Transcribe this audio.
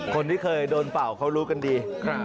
คนที่เคยโดนเป่าเขารู้กันดี